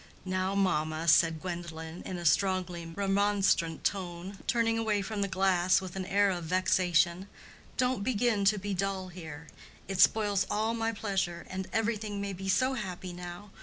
"Now, mamma," said Gwendolen, in a strongly remonstrant tone, turning away from the glass with an air of vexation, "don't begin to be dull here. It spoils all my pleasure, and everything may be so happy now.